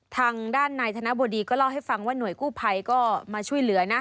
ทางด้านนายธนบดีก็เล่าให้ฟังว่าหน่วยกู้ภัยก็มาช่วยเหลือนะ